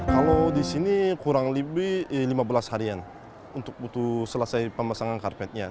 kalau di sini kurang lebih lima belas harian untuk butuh selesai pemasangan karpetnya